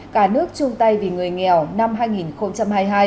cả nước chung tay vì người nghèo năm hai nghìn hai mươi hai